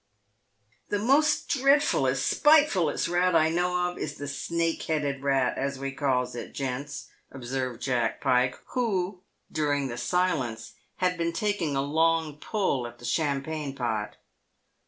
" The most dreadfullest, spitefullest rat I know of is the snake headed rat, as we calls it, gents," observed Jack Pike, who, during the silence, had been taking a long pull at the champagne pot.